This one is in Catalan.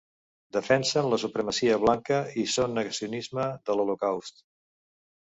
Defensen la supremacia blanca i són negacionisme de l'Holocaust.